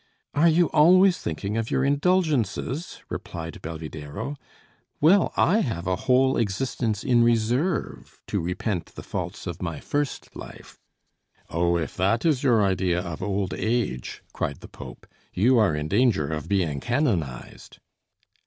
"Are you always thinking of your indulgences?" replied Belvidéro. "Well, I have a whole existence in reserve to repent the faults of my first life." "Oh, if that is your idea of old age," cried the Pope, "you are in danger of being canonized."